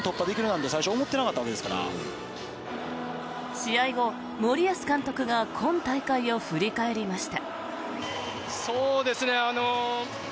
試合後、森保監督が今大会を振り返りました。